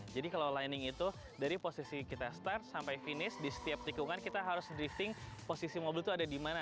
jadi kalau lining itu dari posisi kita start sampai finish di setiap tikungan kita harus drifting posisi mobil itu ada di mana